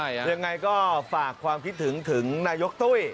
ยังไงก็ฝากความคิดถึงถึงนายกตุ้ย